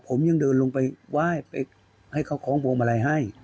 ผมยังเดินลงไปไหว้ไปให้เขาคล้องพวงมาลัยให้